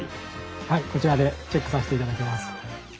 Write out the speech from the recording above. はいこちらでチェックさせて頂きます。